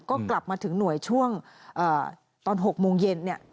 ก็กลับมาถึงหน่วยช่วงตอน๖โมงเย็นเนี่ย